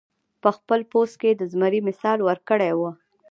پۀ خپل پوسټ کښې د زمري مثال ورکړے وۀ -